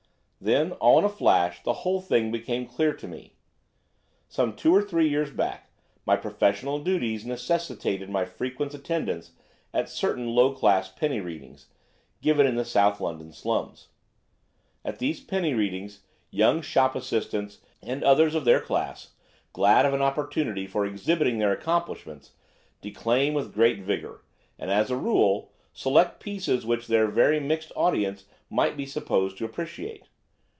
Then, all in a flash, the whole thing became clear to me. Some two or three years back my professional duties necessitated my frequent attendance at certain low class penny readings, given in the South London slums. At these penny readings young shop assistants, and others of their class, glad of an opportunity for exhibiting their accomplishments, declaim with great vigour; and, as a rule, select pieces which their very mixed audience might be supposed to appreciate.